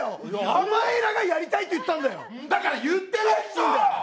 お前らがやりたいって言ったんだだから言ってないっしょ！